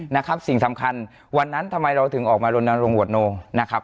นะครับสิ่งสำคัญวันนั้นทำไมเราถึงออกมาโรน